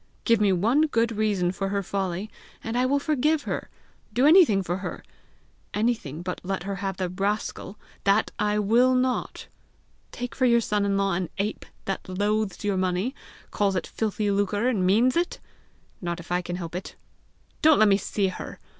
Give me one good reason for her folly, and I will forgive her do anything for her! anything but let her have the rascal! That I WILL NOT! Take for your son in law an ape that loathes your money, calls it filthy lucre and means it! Not if I can help it! Don't let me see her!